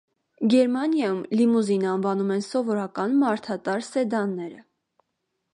Գերմանիայիում «լիմուզին» անվանում են սովորական մարդատար սեդանները։